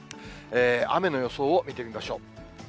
雨の予想を見てみましょう。